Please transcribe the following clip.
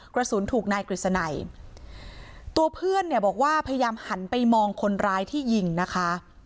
กระสุนถูกนายกฤษณัยตัวเพื่อนเนี่ยบอกว่าพยายามหันไปมองคนร้ายที่ยิงนะคะ